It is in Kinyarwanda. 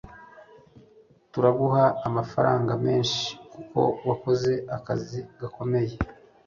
turaguha amafaranga menshi kuko wakoze akazi gakomeye